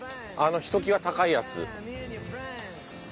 あのひときわ高いやつ。